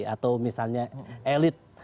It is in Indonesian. atau misalnya elit